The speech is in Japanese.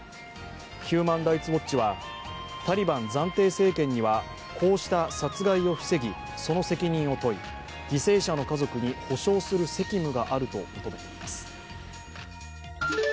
ヒューマン・ライツ・ウォッチはタリバン暫定政権にはこうした殺害を防ぎ、その責任を問い、犠牲者の家族に補償する責務があると求めています。